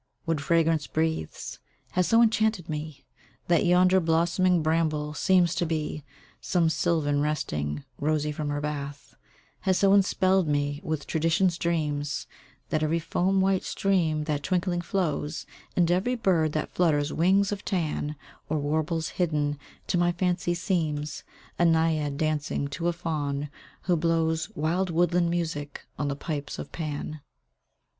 Wood fragrance breathes, has so enchanted me, That yonder blossoming bramble seems to be Some sylvan resting, rosy from her bath: Has so enspelled me with tradition's dreams, That every foam white stream that twinkling flows, And every bird that flutters wings of tan, Or warbles hidden, to my fancy seems A Naiad dancing to a Faun who blows Wild woodland music on the pipes of Pan.